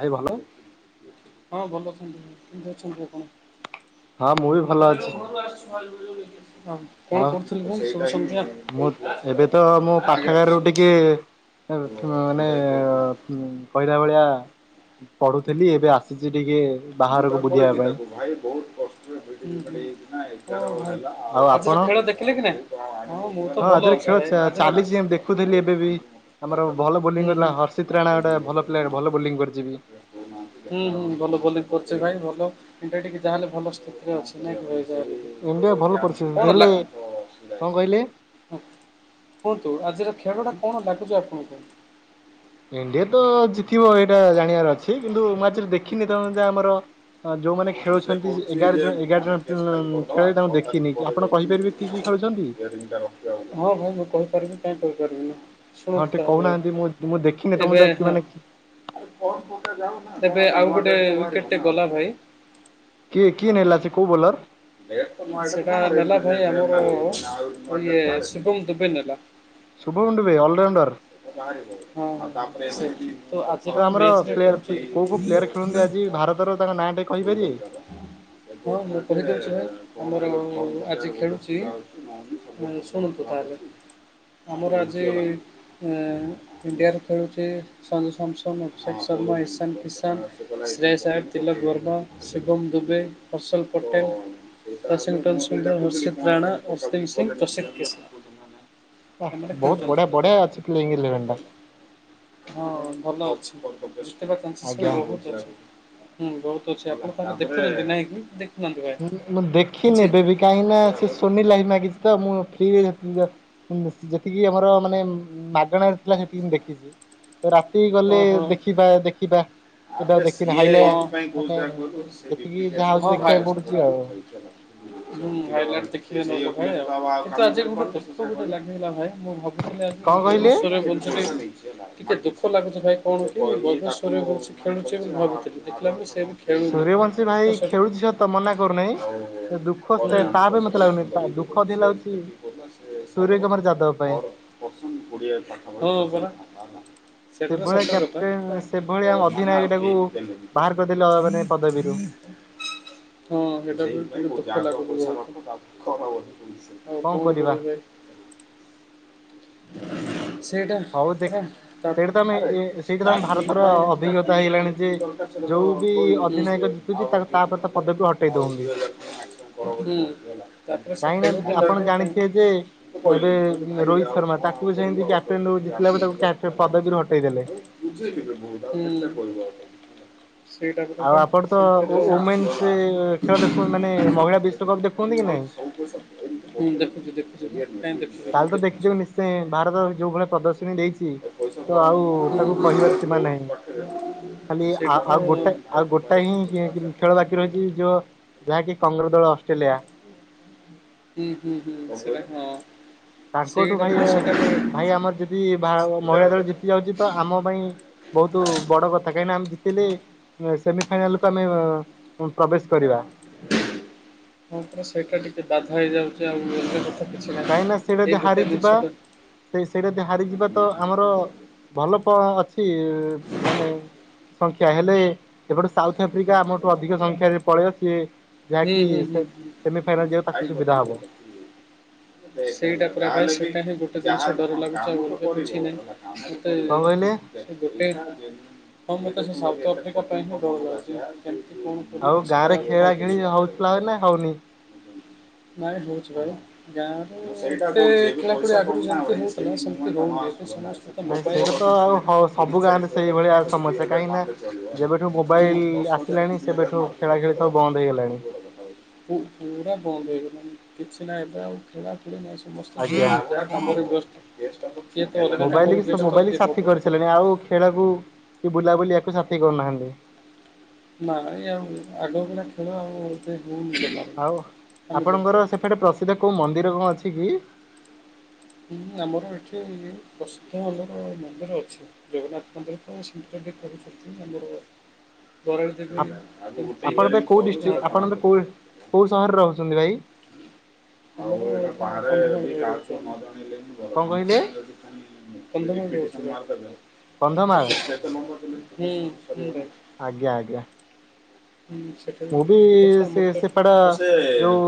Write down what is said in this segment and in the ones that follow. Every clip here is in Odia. ଭାଇ ଭଲ ହଁ ଭଲ ଅଛନ୍ତି କେମିତି ଅଛନ୍ତି ଆପଣ? ହଁ ମୁଁ ବି ଭଲ ଅଛି। [inaudible] ହଁ କଣ ଆଉ କରୁଥିଲେ କୁହନ୍ତୁ ଶୁଭ ସନ୍ଧ୍ୟା। ମୁଁ ଏବେ ଥ ମାନେ ସେଇଟା ହିଁ କହୁଥିଲା। ହୁଁ କହିଲା ଭଳିଆ ପଢୁଥିଲି ଏବେ ଆସିଛି ଟିକେ ହୁଁ ବାହାରକୁ ହୁଁ ହୋ ବୁଲିବା ପାଇଁ ହୋଊ ଆଜିର ଖେଳ ଦେଖିଲେ କି ନାଇ? ଆଜିରେ ଖେଳ ଚା ଚାଲିଛି ଦେଖୁଥିଲି ଗୋଟେ ଏବେ ବି। ଜିନିଷ ମୋତେ ଖରାପ ଆମର ଭଲ ଲାଗୁଛି। ହୁଁ ବୋଲିଂ କଥିଲା ହୁଁ। ହର୍ଷିତ ଆଉ ରାଣା କେହି ଗୋଟେ ଇଏ ଭଲ ପ୍ଲେୟାର ଭଲ କରୁନାହାନ୍ତି ବୋଲିଂ କରିଛିିବି। ହୁଁ ହୁଁ ଭଲ ବୋଲିଂ କରୁଛେ ଭାଇ ଭଲ ଏଟା ଟିକେ ଯାହାହେଲେ ଭଲ ସ୍ଥିତିରେ ଅଛି ନାଇଁ ଇଣ୍ଡିଆ କି ଭଲ ଭାଇ? ପରିସ୍ଥିତି କଣ ଲା ହେଲେ କଣ କହିଲେ ହୁଁ କୁହନ୍ତୁ ଆଜିର ଖେଳ ଟା କଣ ଲାଗୁଛି ଆପଣଙ୍କୁ? ଇଣ୍ଡିଆ ତ ଜିତିବ ଏଇଟା ଜାଣିବାର ଅଛି କିନ୍ତୁ ମୁଁ ଆଜିର ଦେଖିନି ତେଣୁ ଯେ ଆମର ଯୋଉମାନେ ଶୁଣୁ ସେ ଖେଳୁଛନ୍ତି ଜ କହୁଛି ଏଗାର ଯେ ଜଣ ଏଗାର ଆମେ ଜଣ କେସ୍ ଫାଇଲ୍ ହୁଁ କରିଦେବା ଖେଳରେ ତାଙ୍କୁ ଛଅ ତାରିଖ ଦେଖିନି ପରେ ଆପଣ ଯାଇକି କହିପାରିବେ କି ଖେଳୁଛନ୍ତି ହଁ ଭାଇ ମୁଁ କହିପାରିବି କାଇଁ କହିପାରିବିନି? ହଁ ଶୁଣନ୍ତୁ ଟିକେ ତାହେଲେ କହୁନାହାନ୍ତି ମୁଁ ମୁଁ ଦେଖିନି ତମ ଏବେ ଯା ହଁ ମାନେ କି ଏବେ ଆଉ ଗୋଟେ ୱିକେଟ୍ ରେ ଗଲା ଭାଇ। କିଏ ନେଲା ସେ କୋଉ ବୋଲର? ସେଟା ନେଲା ଭାଇ ଆମର ଇଏ ଶୁଭମ୍ ଦୁବେ ନେଲା। ଉଣ୍ଡୁବେ ଅଲରାଉଣ୍ଡର୍। ହଁଁ ତ ଆଜିର ତ ଆମର ମ୍ୟାଚ୍ ପ୍ଲେୟାର କୋଉ ରେ କୋଉ ପ୍ଲେୟାର ଖେଳନ୍ତି ଖେଳୁଛନ୍ତି ଆଜି ଭାରତର ତାଙ୍କ ନା ହଁ ମୁଁ କହିଦେଇଛି ହେ ଆମର। ଆଜି ଖେଳୁଛି ଶୁଣନ୍ତୁ ତାହେଲେ ଆମର ଆଜି। କଁ ଇଣ୍ଡିଆରେ ଖେଳୁଛି ସଞ୍ଜୁ ସାମସନ୍ ଅଭିଷେକ ଶର୍ମା ଇଶାନ କିଷାନ। ଜୟ ସାହ ତିଲକ ବର୍ମା ଶୁଭମ ଦୁବେ ହର୍ଷଲ ପଟେଲ। [unintelligible] ସୁନ୍ଦର ହର୍ଷିତ ରାଣା ଅସ୍ତିନ ସିଂ ପ୍ରସିଧ କେଶବ। ୱା ବହୁତ ବଢିଆ ବଢିଆ ଅଛି ପ୍ଲେ ହଁ ଭଲ ଅଛି। ବହୁତ୍ ଅଛି ହୁଁ ଆଜ୍ଞା। ବହୁତ ଅଛି ଆପଣ ତାହେଲେ ଦେଖନ୍ତି ନାହିଁ କି। ଦେଖୁନାହାନ୍ତି ଭାଇ ହୁଁ ମୁଁ ଦେଖି କିଛି ନେବେ ବି କାହିଁକି ନା ସେ ସୋନି ଲାଇଭ ମାଗିଛି ତ ମୁଁ ଫ୍ରିରେ ଜା ଜା। ଯେତିକି ଆମର ମାନେ ମାଗଣାରେ ଥିଲା ସେତିକି ମୁଁ ଦେଖିଛି। ତ ରାତି ଗଲେ ଓହୋ। ଦେଖିବା ଦେଖିବା। ସେଟା ଆବେ ଦେଖିନି ସିଏ ହାଇଲେ ଏଇଥିପାଇଁ କହୁଛି ମାନେ ଯାହା କହିଲୁ ସେ ଯେତିକି ରିପ୍ଲିକେସନ ଯାହା ହଉଛି ଦେଖ ଗୁଡାକ ହୁଁ ହାଇ ଲାଇଟସ ଦେଖିବେ। [unintelligible] କିନ୍ତୁ ଆଜି ଆମକୁ ବିସ୍କୁଟ ଦେଲା ବୁଝିଲ ନା ଭାଇ। ମୁଁ ଭାବୁଥିଲି ଆଜି କଣ କହିଲେ ଭୁବନେଶ୍ୱରେ ବୁଝିବି। ଟିକେ ଦୁଃଖ ଲାଗୁଛି ଭାଇ କହୁନଥିଲି ବ୍ରହ୍ମେଶ୍ୱରରେ ହଉଛି ଖେଳୁଛି ଭାବିଥିଲି ଦେଖିଲା। ଖେଳୁନି ସୂର୍ଯ୍ୟବଂଶୀ ତ ଭାଇ ସବ ଖେଳୁଛି ସତ ମନା କରୁନାହିଁ। ଆଉ। ଦୁଃଖ ତା ନା। [unintelligible] ପାଇଁ ମତେ ଲାଗୁନି ଦୁଃଖ ଅଧିକ ଲାଗୁଛି ସୂର୍ଯ୍ୟ କୁମାର ଯାଦବ ପାଇଁ। ହଁ ପରା ସେଟା ତ ସେଭଳିଆ ସତ କଥା କ୍ୟାପ୍ଟେନ ସେଭଳିଆ ସେମାନେ ଅଧିନାୟକ ଆଉ ଟାକୁ କେହି ବି ଦେଲେନି ବାହାର ପଇସା କରିଦେଲେ ମାନେ ପଦବୀରୁ ଯାକ। ହଁ ସେଟା ବି ବହୁତ ଦୁଃଖ ଲାଗୁଚି କହିବାକୁ ଗଲେ ଆଉ କଣ କରିବେ ସେଇଟା ହଉ ଦେଖ ପରା ତା ସେଇଟା ତ ଆମେ ଆରେ ସେଇଟା ତ ଆମ ଭାରତର ଅଭିଜ୍ଞତା ହେଇଗଲାଣି ଯେ ଯେତିକି ଦରକାର ସେଟା ତ ଯୋଉ ବି କହି ରହୁଛି ଅଧିନାୟକ ଜିତୁଛି ତା ଆଉ ଦି ତାପରେ ତିନି ତା ହଜାର ପଦବୀରୁ ହଟେଇ ଆଉ ଦଉଛନ୍ତି ଦିଇ ହଜାର ଟଙ୍କ ହୁଁ ତାପରେ ସେ କାହିଁକି ଖେଳୁ ନା ଥିଲା ଆପଣ ଏବେ ପାଇଁ। ଜାଣିଥିବେ ଯେ ମୁଁ ଏବେ କହିଲି କହିଲି ଭାଇ ରୋହିତ ଆଉ ଶର୍ମା କଣ ତାକୁ ଆଉ ବି ସେମିତି କରିବୁ ଆଉ। [unintelligible] କ୍ୟାପ୍ଟେନ ଜିତିଲା ବେଳେ ଲାଗିଚି ତାକୁ ପଦବୀରୁ ହଟେଇ ଦେଲେ ଆଉ ବୁଝେଇଲି ବେ ବହୁତ ଆଉ କେତେ କହିବୁ ଆଉ ଜଣକୁ ସେଇଟା କଥା ଆଉ ପାଇଁ ଆପଣ ସେମିତି ତ ଓମେନ୍ସ ଖେଳ ଦେଖୁ ମାନେ ମହିଳା ବିଶ୍ଵକପ୍ ଦେଖୁଛନ୍ତି କି ନାଇଁ ହୁଁ ଦେଖୁଚି ଦେଖୁଚି କାଲି ତ ଦେଖିଥିବେ ନିଶ୍ଚୟ ଭାରତ ଯୋଉ ଭଳିଆ ପ୍ରଦର୍ଶନୀ ଦେଇଛି ଏ ପଇସା ତ ବରଂ ଆଉ ତାକୁ କହିବାର ସୀମା ବହୁତ ନାହିଁ ପାଖରେ ଖାଲି ଯେତିକି ଆ କଣ ଆଉ ଗୋଟା ଆଉ କରିପାରିବେ ଭାଇ ତୁମର ଗୋଟା ହିଁ ଏତିକି ପଇସା ଅଛି ସେ ଆପଣ ଖେଳ ବାକି ମାଗିବେ ବୋଲି ରହିଛି ଯୋଉ କହିଥିଲେ। ଯାହାକି କଙ୍ଗାରୁ ଦଳ ଅଷ୍ଟ୍ରେଲିଆ। ହୁଁ ହୁଁ ହୁଁ ଅଷ୍ଟ୍ରେଲିଆ ହଁ। ତାଙ୍କଠୁ ସେଇଟା ଭାଇ ପରା ସେଇଟା ପରା ଏଗାର ଭାଇ ଆମର ଯଦି ଭା ମହିଳା ଦଳ ହଜାର ଜିତି ଟଙ୍କା। ଯାଉଛି, ତ ଆମ ପାଇଁ ବହୁତ ବଡ କ କାହିଁକ ନା ଆମେ ଜିତିଲେ ସେମିଫାଇନାଲ କୁ ଆମେ ପ୍ରବେଶ କରିବା ହଁ ପରା ସେଇଟା ଟିକେ ବାଧା ହେଇଯାଉଛି ଆଉ। [unintelligible] କାହିଁକି ନା ସେଇଟା ଯଦି ଏଇ ଗୋଟେ ହାରିଯିବା ଜିନିଷ ଟା ହୁଁ ସେ ସେଇଟା ଯଦି ହାରିଯିବା ହୁଁ ତ ଆମର ଭଲ କଣ ଅଛି ମାନେ ସଂଖ୍ୟା ହେଲେ ଏପଟୁ ସାଉଥ ଆଫ୍ରିକା ଆମଠୁ ଅଧିକ ସଂଖ୍ୟା ରେ ପଳେଇବ ସିଏ ଯାହାକି ହୁଁ ହୁଁ। ସେ-ସେମି ଫାଇନାଲ ଯିବାକୁ ତାକୁ ସୁବିଧା ହବ। ଖାଇବନି ସେଇଟା ପୁରା ସେଇଟା ହିଁ ଗୋଟେ ଜିନିଷ ଡର ଲାଗୁଛି ଆଉ ଅଲଗା କିଛି ନାହିଁ। ମତେ କଣ କହିଲେ? ସେଇ ଗୋଟେ ହଁ ମତେ ସେ ଶବ୍ଦ ଅଧିକା ପାଇଁ ହିଁ ଭଲ ଲାଗୁଚି, କେମିତି କଣ କରିବି ଆଉ ମୁଁ ଗାଁ ରେ ସେୟା। ଖେଳା [unintelligible] ଖେଳି ହଉଥିଲା ନା ହଉନି? ନାଇଁ ହଉଛି ବା ଏବେ ଗାଁ ରେ ଏତେ ଖେଳ ପଡ଼ିଆ ଆଗରୁ ଯେମିତି ହଉଥିଲା ସେମିତି ନାଇଁ ହଉନି ସେଇଟା ତ ତିରିଶ ଆଉ ଚାଳିଶ ହ ହଜାର ସବୁ ଗାଁରେ ଖର୍ଚ୍ଚ ତ ସେଇଭଳିଆ ଦୁଇ ହଜାର ମାରଲେ ଚଳିବ ହେଲା ଲ ଦଶ ଆସିଲାଣି ହଜାରକୁ ଦୁଇ ହଜାର ସେବେଠୁ ଖେଳା ମାରିଦେଲେ ଖେଳି ସବୁ ବନ୍ଦ। ହେଇଗଲାଣି। [unintelligible] ଆଜ୍ଞା ମୋବାଇଲ କି ମୋବାଇଲ ସାଥି [unintelligible] କରିସାରିଲେଣି ଆଉ ଖେଳକୁ କି ବୁଲାବୁଲି କୁ କାହାକୁ ସାଥି କରୁନାହାନ୍ତି? ନାହିଁ ଆଉ ଆଗ ଭଳିଆ ଖେଳ ଆଉ। ହଉନି ଜମାରୁ। ଆଉ ଆମେ ଆପଣଙ୍କର ଯେତେ ସେପଟେ ପ୍ରସିଦ୍ଧ କୋଉ ମନ୍ଦିର କଣ ଅଛି କି? ହୁଁ ଆମର ଏଠି ପ୍ରସିଦ୍ଧ ଆମର ମନ୍ଦିର ଅଛି, ଜଗନ୍ନାଥ ମନ୍ଦିର ତ ସେମିତି [unintelligible] ଆପ୍ ଆପଣ ଏବେ କୋଉ ଏଇଟା ଡିଷ୍ଟ୍ରିକ୍ ଆପଣ କୋଉ କୋଉ ସହରରେ ରହୁଛନ୍ତି ଭାଇ [unintelligible] କଣ କହିଲେ [unintelligible] କନ୍ଧମାଳ [unintelligible] ଆଜ୍ଞା ଆଜ୍ଞା। ହୁଁ ସେଟା ମୁଁ ବି ଅଛି ଆମର ତ ସେପଟେ, ଆଉ ସେ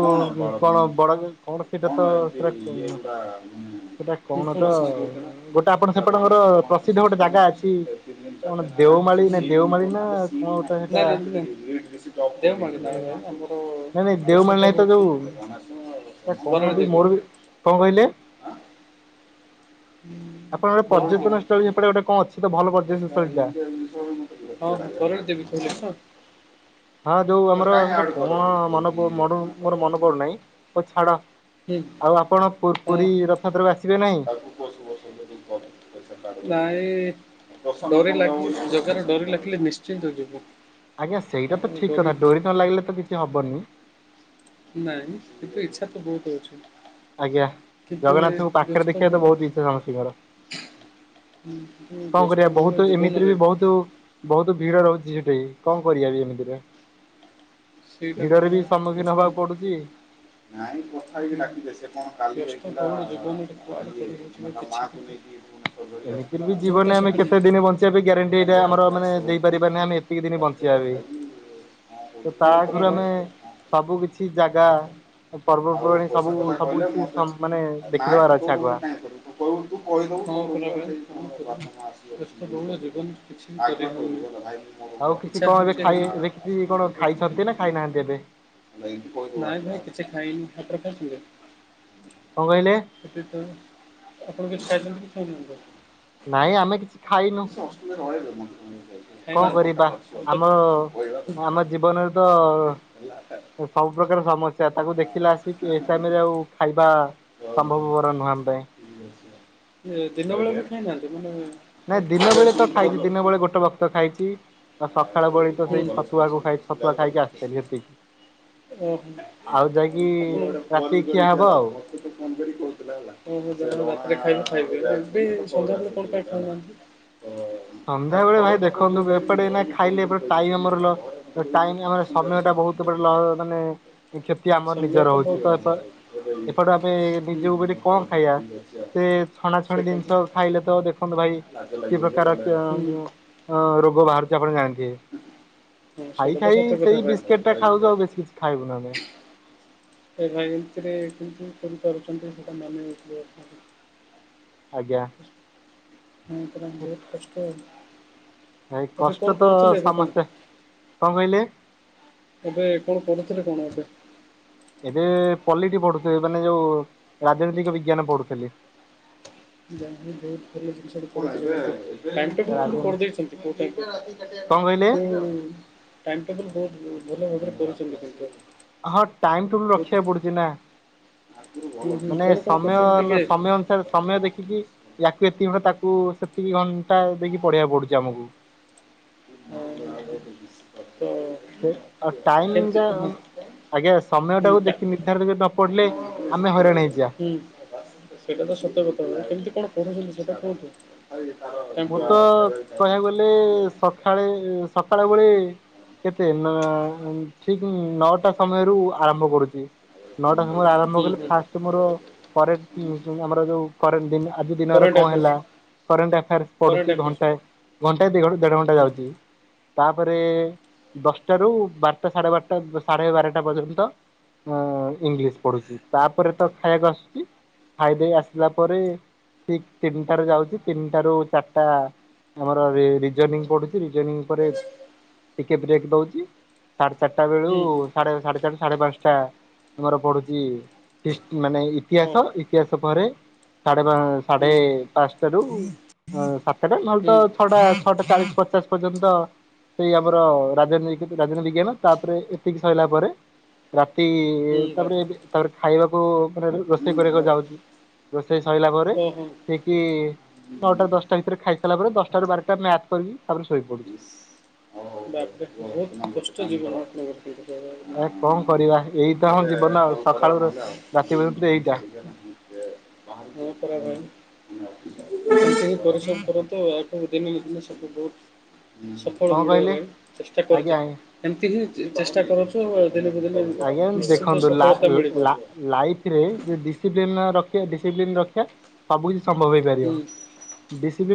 କଣ ବାଳ କଣ କଣ ସେଟା ଏମିତି ଇଏ [unintelligible] ଗୁଡ଼ା ସେଟା କଣ ମାନେ ତ ବସିସ୍ କହୁଥିଲା ଗୋଟେ ଆପଣ କହିଲା ଗଣେଶ ସେପଟଙ୍କର କି କଣ ପ୍ରସିଦ୍ଧ ମେସେଜ ଗୋଟେ ଜାଗା କରୁଛି ଅଛି ସେ ତିନି କଣ? ଦେଓମାଳି ନାଇଁ ଦେଓମାଳି ନା କଣ ଗୋଟେ ସେଟା [unintelligible] ନାଇଁ ନାଇଁ ଦେଓମାଳି ନାହିଁ ତ ଯୋଉ ସେଟା କଣ [unintelligible] ମୋର ବି କଣ କହିଲେ? [inaudible] ଆପଣ ଗୋଟେ [unintelligible] ପର୍ଯ୍ୟଟନ ସ୍ଥଳୀ ସେପଟେ ଗୋଟେ କଣ ଅଛି ତ ଭଲ ପର୍ଯ୍ୟଟନ ସ୍ଥଳୀଟା। କରେଣ୍ଟ ଦେବୀ। ତିନି ଛ। ହଁ ଯୋଉ ଆମର ହେଟା କଣ କରଦଉଚୁ ମନ ଏଠି ଡୁପ ମୋର ନାଟକରେ। ମନେପଡୁନାଇ ତ ଛାଡ। ହୁଁ ଆଉ ଆପଣ ପୁର୍ ପୁରୀ ରଥଯାତ୍ରାକୁ ଆସିବେ ନାହିଁ। [unintelligible] ନାଁଇ ଡୋରି ଲାଗିଲେ ଜଗାରଡୋରି ଲାଗିଲେ ନିଶ୍ଚିନ୍ତ ଯିଵୁ। ଆଜ୍ଞା ସେଇଟା ତ ଠିକ୍ କଥା ଡୋରି ନ ଲାଗିଲେ ତ କିଛି ହବନି। ନାଇଁ କିନ୍ତୁ ଇଚ୍ଛା ତ ବହୁତ୍ ଅଛି। ଆଜ୍ଞା କିନ୍ତୁ ଏ ଜଗନ୍ନାଥଙ୍କୁ ପାଖରେ ବ୍ୟସ୍ତ ଦେଖିବା ବହୁ ତ ବହୁତ୍ ଇଚ୍ଛା ସମସ୍ତିଙ୍କର। କଣ କରିବା ବ୍ୟସ୍ତବହୁଳ ବହୁତ୍ ଏମିତିରେ ଜୀବନରେ ବି ବହୁତ୍ ବହୁତ୍ ଭିଡ଼ ରହୁଚି ସେଠି। କଣ କରିବା ବି ଏମିତିରେ। ଭିଡରେ ବି ସମ୍ମୁଖୀନ ହବାକୁ ପଡୁଛି। [unintelligible] [unintelligible] ଏମିତିରେ ଆସିଥିଲା ବି ସେ ଜୀବନରେ ଆମେ କାଲି କେତେ ଦିନି ବଞ୍ଚିବା ବି ଗ୍ୟାରେଣ୍ଟି ଏଇଟା କାଲି ଆଉ ଆମର ଥରେ ମାନେ ଆସିବ ବୋଲି ଦେଇପାରିବାନି କହୁଥିଲା ଆମେ ଏତିକି ଦିନ ତା ସହିତ ବଞ୍ଚିବା। କଥା ହେଇକି କଣ ହେଵି କହୁଥିଲେ ତା ହଁ ପରା ଆଗରୁ ଭାଇ। ଆମେ ସବୁ କିଛି କଥା ଜାଗା। ହେଇଯାଅ। ଆଉ ପର୍ବପର୍ବାଣୀ ପଇସା ସବୁ ସା କଥା ସବୁ କହିଲେ କିଛି ସମ ମତେମା ମାନେ ଦେଖିଦବାର [unintelligible] ଅଛି ଆଗୁଆ। ତୁକହୁନୁ ତୁକହିଦେଵୁ ଆଉ [unintelligible] କିଛି ଇଛା କଣ ହଉ ଏବେ ଛି ଖାଇ ଏବେ କିଛି କଣ ହେଲେବି। ଖାଇଛନ୍ତି ନା ଖାଇନାହାନ୍ତି ଏବେ ନାଇ ଭାଇ କିଛି ଖାଇନି ଆପଣ କଣ କହିଲେ? ଖାଇଥିଲେ। ସେତିକି ଥାଉ ଆପଣ ନାଇଁ ଆମେ କିଛି ଖାଇନୁ ଖାଇଛନ୍ତି କିଛି କଣ କରିବା ଖାଇନାହାନ୍ତି। ଆମ [unintelligible] ଆମ ଦରକାର ଜୀବନରେ ତ ହେଲା ହଁ ସବୁ ପ୍ରକାର ସମସ୍ୟା ତାକୁ ଦେଖିଲା ଆସିକି ଏ ଟାଇମ୍ ରେ ଆଉ ଖାଇବା। ସମ୍ଭବ ପର ନୁହେଁ ଆମ ପାଇଁ। ଏ ଦିନ ବେଳେ ବି ଖାଇନାହାନ୍ତି ମାନେ ନାଇଁ ଦିନ ଆବେ ବେଳେ ତ ଶୁଣୁତ ଖାଇଚି ହ୍ୟାଲୋ ଦିନ ବେଳେ ଗୋଟେ ବକ୍ତ ଖାଇଚି। କଣ ଆଉ ସକାଳ ବଳି କଲେଜ ତ ସେଇ ଛତୁଆକୁ ଫଙ୍କସନ୍ ଖାଇ ଫଙ୍କସନ୍ ଛତୁଆ ଖାଇକି ଯାଉଛନ୍ତି? ଆସିଥେଲି ସେତିକି। ଓହୋ ମତେ ଆଉ ଯାଇକି ତ ଫୋନ୍ ରାତି ଖିଆ ହବ ଥେଲ ଆଉ ମତେତ ଫୋନ୍ କରି କ [unintelligible] ସନ୍ଧ୍ୟା ବେଳେ ଭାଇ ଦେଖନ୍ତୁ କହିଲିନି ଏପଟେ ଏଇନା ଘରକୁ ଫୋନ୍ ଖାଇଲେ କରି ଏପଟେ ଟାଇମ୍ କହିଦେଇଛନ୍ତି ଆମର ହେଲା ଘରେ ମତେ ଲସ୍। କହୁଛନ୍ତି ଟାଇମ୍ ହ ଫଙ୍କସନ୍ ସମୟ ଯାଉଛୁ ଟା ବୋଲି ମୁଁ ବହୁତ୍ କହିଲି ଲ ନାଇଁ ତ। ମାନେ କ୍ଷତି ଆମର ସମୟ ନିଜର ହଉଚି ବହୁତ ତ ହୁଁ। ଏପଟୁ ଆମେ ନିଜକୁ ଗୋଟେ ହଉ କଣ ଖାଇବା ଠିକ୍ ଅଛି ଆଉ। ସେ ଛଣା ଛଣି ସେଇଟା ବି ଦିନିଷ ଖାଇଲେ ତ ଦେଖନ୍ତୁ ଭାଇ। ଲାଜ ଲାଗିବ ଯେ ଗଲା। ଗାଁକୁ ହଁ ରୋଗ ବାହାରୁଚି ଆପଣ ଜାଣିଥିଵେ? ହଁ ଖାଇ ସେଇଟା ତ ଖାଇ ସତ କଥା ସେଇ ଭାଇ। ହଉ ବିସ୍କେଟ ଟା ରହିଲି ଖାଉଛୁ ଆଁ। ଆଉ ବେଶୀ କିଛି ଖାଇବୁ ନୁ ଆମେ। ଏ ଭାଇ ଏମିତିରେ କିମ ରୟକରିପାରୁଏଛନ୍ତି ସେଟା ମାନ ଆଜ୍ଞା। ହଁ ଏତରେତେ ବହୁତ କଷ୍ଟ। ମୁଁ ଭାଇ କଷ୍ଟ ତ କଣ ସମସ୍ତେ କଣ କହିଲେ? ଏବେ କଣ ପଢୁଥିଲ କଣ ଆମ। ଏବେ ପଲଟି ପଢୁଥିବେ ମାନେ ଯଉ ରାଜନୈତିକ ବିଜ୍ଞାନ ପଢୁଥେଲି। ଯା ହଉ ବହୁତ୍ ଭଲ ଜିନିଷ ଟେ ପଳେଇ ଆସିଲା। ସାଇଣ୍ଟି ଫୁଲ ଗୋଟେ ରାଜନ କରିଦେଇଛନ୍ତି ଗୋଟେ ହଁ ସାଇଣ୍ଟି କଣ କହିଲେ ଫୁଲ୍। ଭଲ ଭାବରେ କରୁଛନ୍ତି ପଇସା। ହଁ ଟାଇମ୍ ଟୁବଲ ରଖିବାକୁ ପଡୁଛି ନା। ହୁଁ ହୁଁ ମାନେ କଣ କଣ ସମୟ କରୁଛନ୍ତି ନ ଟିକେ ସମୟ ଅନୁସାରେ ସମୟ ଦେଖିକି ୟାକୁ ଏତିିକି ଘଣ୍ଟା ତାକୁ କୁ ସେତିକି ଘଣ୍ଟା ଦେଇକି ପଢେଇବାକୁ ପଡୁଚି ଆମକୁ। ଆରେ ଆରେ ଷ୍ପତ୍। ସେ ଅ ଟାଇମ୍ ହଁ ଯାନ୍। ଆଜ୍ଞା ସମୟ ହୁଁ ଟାକୁ ଟା ଦେଖି ନିର୍ଦ୍ଧାର ଯ ନ ପଢିଲେ ହୁଁ ଆମେ ହଇରାଣ ହେଇଯିବା। ସେଇଟା ତ ସତକଥା କେମିତି କଣ କରୁଛନ୍ତି ସେଇଟା କୁହୁନ୍ତୁ? ମୁଁ ତ କହିବାକୁ ଗଲେ ସକାଳେ ସକାଳେ ଉଳେ କେତେ ନଅ ଠିକ ନଅଟା ସମୟରୁ ଆରମ୍ଭ କରୁଛି। ନଅଟା ହୁଁ। ସମୟରୁ ଆରମ୍ଭ କଲେ ଫାଷ୍ଟ ମୋର କରେଣ୍ଟ ଯୋଉ ଆମର ଯୋଉ କରେଣ୍ଟ ଯୋଉ ଆଜି ଦିନର। କରେଣ୍ଟ କଣ ହେଲା ଆଫେୟାର୍ସ କରେଣ୍ଟ ଆଫେୟାର୍ସ କରେଣ୍ଟ ପଢୁଛି ଆଫେୟାର୍ସ ଘଣ୍ଟାଏ ଘଣ୍ଟାଏ ରୁ ଦେଢ ଘଣ୍ଟା ହୁଁ ଯାଉଛି। ତାପରେ ଦଶଟାରୁ ବାରଟା ସାଢେ ବାରଟା ସାଢେ ବାରଟା ପର୍ଯ୍ୟନ୍ତ ଉଁ ଇଂଲିଶ ପଢୁଛି ତାପରେ ତ ଖାଇବାକୁ ଆସୁଛି। ଖାଇଦେଇ ଆସିଲା ପରେ ଠିକ ତିନିଟାରୁ ଯାଉଛି ତିନିଟାରୁ ଚାରିଟ ଟା ଆମର ରି ରିଯୋନିଂ ପଢୁଛି ରିଯୋନିଂ ପରେ ଟିକେ ବ୍ରେକ୍ ଦଉଛି। ସାଢେ ଚାରିଟା ବେଳୁ ହୁଁ ହୁଁ ସାଢେ ସାଢେ ଚାରିଟା ସାଢେ ପାଞ୍ଚଟା ମୋର ପଢୁଛି ହିସ୍ ମାନେ ହଁ ଇତିହାସ ଇତିହାସ ପରେ ସାଢ଼େ ସାଢ଼େ ପାଞ୍ଚଟାରୁ ସାତଟା ନହେଲେ ତ ହୁଁ ହୁଁ ଛଅଟା ଛଅଟା ଚାଳିଶା ପଚାଶ ପର୍ଯ୍ୟନ୍ତ ସେଇ ଆମର ରାଜନୀତି ରାଜନୀତି ବିଜ୍ଞାନ ତାପରେ ଏତିକି ସରିଲା ପରେ ରାତ୍ ତି ହୁଁ ତାପରେ ତାପରେ ଖାଇବାକୁ ମାନେ ରୋଷେଇ କରିବାକୁ ଭାଇ। ଯାଉଛି ରୋଷେଇ ସରିଲା ପରେ ଓହୋ। ଠିକ ନଅଟାରୁ ଦଶଟା ଖାଇସାରା ପରେ ଦଶଟାରୁ ବାରଟା ମ୍ୟାଥ କରିବି [inaudible] ଆ କଣ କରିବା ଏଇ ତ ଆମ୍ [unintelligible] କଠିନ ଏଇଟା ପରିଶ୍ରମ କରନ୍ତୁ ଆଠୁ ଦିନକୁ ଦିନ ସବୁ ବହୁତ ସଫଳ କଣ ମିଳିବା କହିଲେ ପାଇଁ ଚେଷ୍ଟା ଆଜ୍ଞା କରିଥା ଏମତି ହିଁ ଚେଷ୍ଟା କରୁଛୁ ଆଜ୍ଞା ଦେଖନ୍ତୁ ଲା ମିଳିବ। ଲା ଲାଇଫରେ ଯୋଉ ଡିସପ୍ଲିନ୍ ଡିସପ୍ଲିନ୍ ରଖିବା ଡିସପ୍ଲିନ୍ ରଖିବା ସବୁ କିଛି ସମ୍ଭବ ହୁଁ ହୋଇପାରିବ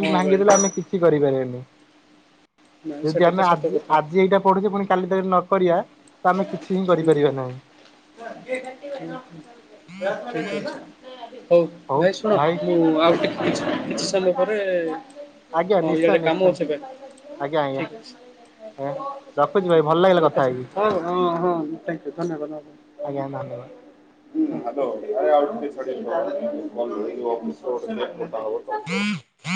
ହଁ ଭାଇ ଭାଙ୍ଗିଦେଲେ ଆମେ କିଛି କରିପାରିବାନି। ନାଇଁ ଯଦି ସେଟା ତ ଆମେ ସତ ଆଜି କଥା। ଆଜି ଏଇଟା ପଢୁଛେ ପୁଣି କାଲି ତା ନ କରିବା ତ ଆମେ କିଛି ହିଁ କରିପାରିବା ନାହିଁ। ହୁଁ ଠିକ୍ ଅଛି। ହଉ ଭାଇ ଶୁଣ ମୁଁ ଆଉ ଆଜ୍ଞା ଟିକିଛି କିଛି ସମୟ ପରେ ଆଜ୍ଞା ହଁ ନିଶ୍ଚୟ ଇଆଡ଼େ କାମ ନିଶ୍ଚୟ ଅଛି ଭାଇ ଏବେ ଆଜ୍ଞା ଆଜ୍ଞା ଠିକ ଅଛି। ଆଜ୍ଞା ରଖୁଛି ଭାଇ ଭଲ ଲାଗିଲା କଥା ହେଇକି ହଁ ହଁ ହଁ। ଥାଙ୍କ ୟୁ ଧନ୍ୟବାଦ। ଆଜ୍ଞା ଧନ୍ୟବାଦ। ହ୍ୟାଲୋ ଆରେ ଆଉ ଟିକେ ଛାଡିକି କଲ୍ କରିବି। ଅଫିସରେ ଗୋଟେ କଥା ହବ ତ।